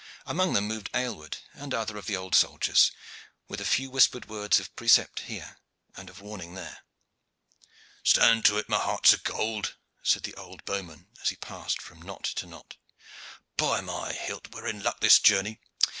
Among them moved Aylward and other of the older soldiers, with a few whispered words of precept here and of warning there. "Stand to it, my hearts of gold," said the old bowman as he passed from knot to knot. "By my hilt! we are in luck this journey.